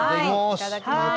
いただきます。